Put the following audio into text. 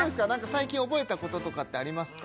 最近覚えたこととかありますか？